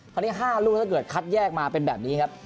ตอนนี้๕ลูกถ้าเกิดคัดแยกมาเป็นแบบนี้ครับ